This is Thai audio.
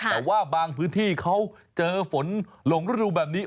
แต่ว่าบางพื้นที่เขาเจอฝนหลงฤดูแบบนี้